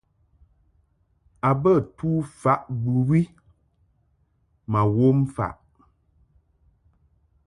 A bə tu faʼ bɨwi ma wom faʼ.